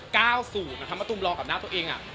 เก้าสูตรมันทำมาตุมรองกับหน้าตัวเอง